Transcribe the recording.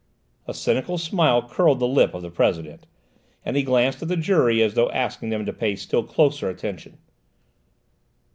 A cynical smile curled the lip of the President, and he glanced at the jury as though asking them to pay still closer attention.